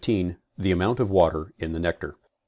The amount of water in the nectar.